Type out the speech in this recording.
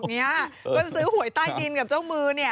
ฐานเขาบอกเนี่ยก็จะซื้อหวยใต้ดินกับเจ้ามือเนี่ย